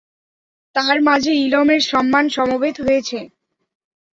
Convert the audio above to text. তাঁর মাঝে ইলমের সম্মান সমবেত হয়েছে।